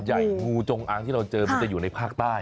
งูจงอางที่เราเจอมันจะอยู่ในภาคใต้